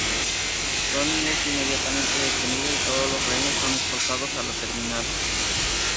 Sonny es inmediatamente detenido y todos los rehenes son escoltados a la terminal.